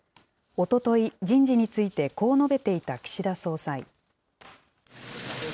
おととい、人事についてこう述べていた岸田総裁。